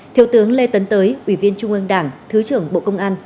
thiếu tướng lê tấn tới ủy viên trung ương đảng thứ trưởng bộ công an